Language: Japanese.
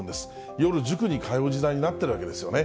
夜塾に通う時代になっているわけですよね。